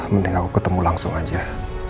mending aku ketemu langsung aja